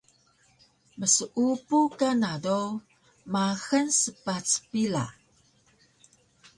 mseupu kana do maxal spac pila